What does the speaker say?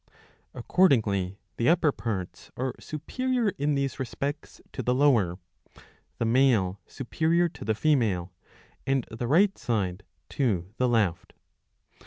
Accordingly the upper parts are superior in these respects to the lower, the male superior to the female, and the right side to the left.